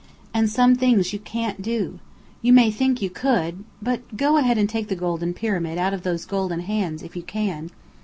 "And some things you can't do. You may think you could, but Go and take the golden pyramid out of those golden hands if you can!"